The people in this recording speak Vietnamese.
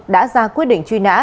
đã ra quyết định truy nã